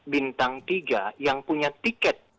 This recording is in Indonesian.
bintang tiga yang punya tiket